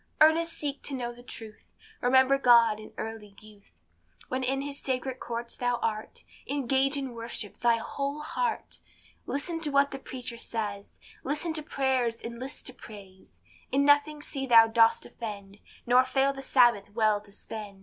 Earnest seek to know the truth, Remember God in early youth; When in his sacred courts thou art, Engage in worship thy whole heart; Listen to what the preacher says, Listen to prayers, and list to praise, In nothing see thou dost offend, Nor fail the Sabbath well to spend.